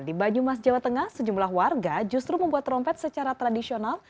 di banyumas jawa tengah sejumlah warga justru membuat trompet secara tradisional